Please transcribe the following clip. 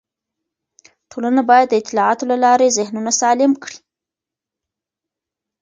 ټولنه باید د اطلاعاتو له لارې ذهنونه سالم کړي.